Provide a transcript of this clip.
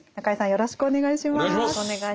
よろしくお願いします。